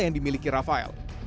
yang dimiliki rafael